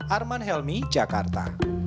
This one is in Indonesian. arman helmy jakarta